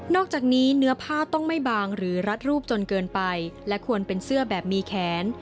อกจากนี้เนื้อผ้าต้องไม่บางหรือรัดรูปจนเกินไปและควรเป็นเสื้อแบบมีแขน